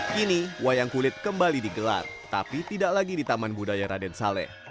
kini wayang kulit kembali digelar tapi tidak lagi di taman budaya raden saleh